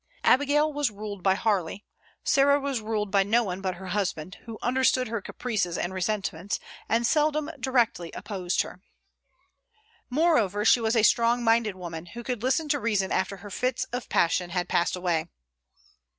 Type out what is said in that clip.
Abigail was ruled by Harley; Sarah was ruled by no one but her husband, who understood her caprices and resentments, and seldom directly opposed her. Moreover, she was a strong minded woman, who could listen to reason after her fits of passion had passed away.